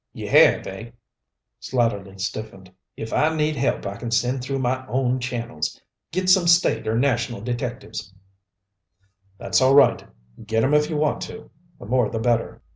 "You have, eh?" Slatterly stiffened. "If I need help I can send through my own channels get some state or national detectives " "That's all right. Get 'em if you want to. The more the better.